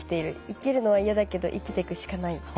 生きるのは嫌だけど生きてくしかない。